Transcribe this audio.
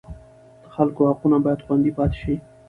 د خلکو حقونه باید خوندي پاتې شي.